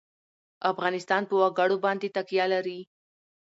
افغانستان په وګړي باندې تکیه لري.